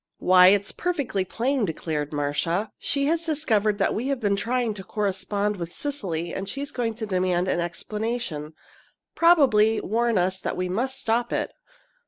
"Why, it's perfectly plain," declared Marcia. "She has discovered that we have been trying to correspond with Cecily, and she's going to demand an explanation probably warn us that we must stop it.